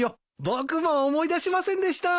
僕も思い出しませんでした。